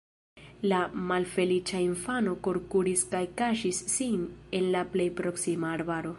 La malfeliĉa infano forkuris kaj kaŝis sin en la plej proksima arbaro.